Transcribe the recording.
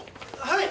はい！